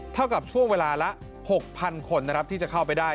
เท่ากับช่วงเวลาละ๖๐๐คนนะครับที่จะเข้าไปได้